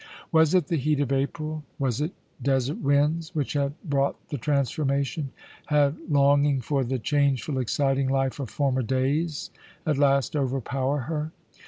Was it the heat of April, with its desert winds, which had brought the transformation? Had longing for the changeful, exciting life of former days at last overpowered her?